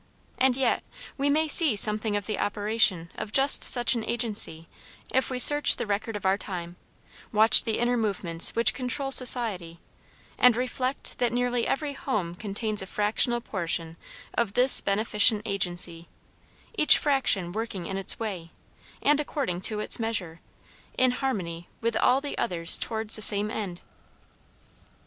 And yet we may see something of the operation of just such an agency if we search the record of our time, watch the inner movements which control society and reflect that nearly every home contains a fractional portion of this beneficent agency, each fraction working in its way, and according to its measure, in harmony with all the others towards the same end.